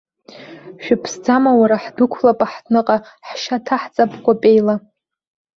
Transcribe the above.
Шәыԥсӡама, уара, ҳдәықәлап аҳҭныҟа, ҳшьа ҭаҳҵап кәапеила!